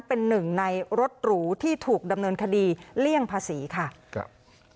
เป็นหนึ่งในรถหรูที่ถูกดำเนินคดีเลี่ยงภาษีค่ะครับ